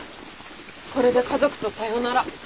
これで家族とさよなら。